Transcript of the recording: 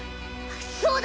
そうだ！